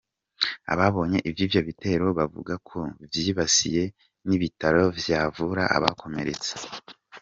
Ababonye ivy'ivyo bitero, bavuga ko vyibasiye n'ibitaro vyavura abakomeretse.